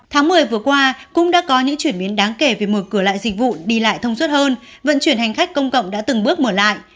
tháng một mươi vừa qua cũng đã có những chuyển biến đáng kể về mở cửa lại dịch vụ đi lại thông suất hơn vận chuyển hành khách công cộng đã từng bước mở lại